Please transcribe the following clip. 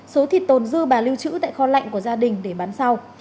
số thịt tồn dư bà lưu trữ tại kho lạnh của gia đình để bán sau